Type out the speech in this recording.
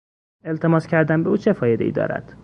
التماس کردن به او چه فایدهای دارد؟